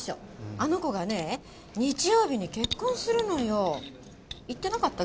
あの子が日曜日に結婚するのよ言ってなかった？